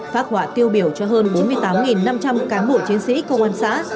phát họa tiêu biểu cho hơn bốn mươi tám năm trăm linh cán bộ chiến sĩ công an xã